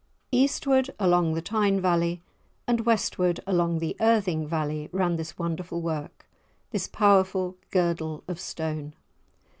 Eastward along the Tyne valley and westward along the Irthing valley ran this wonderful work, this powerful girdle of stone.